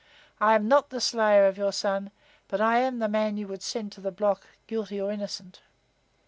I am not the slayer of your son, but I am the man you would send to the block, guilty or innocent."